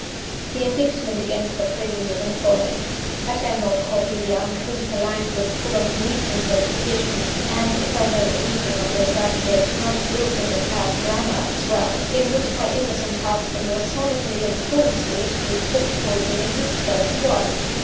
The Indictment against the prisoner then followed. I shall not copy the uncouth language, full of needless repetitions (and, if I know anything of the subject, not guiltless of bad grammar as well), in which my innocent husband was solemnly and falsely accused of poisoning his first wife.